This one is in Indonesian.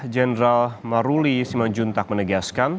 jenderal maruli simanjuntak menegaskan